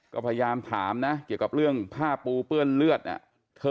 ก็พยายามถามนะเกี่ยวกับเรื่องผ้าปูเปื้อนเลือดเนี่ย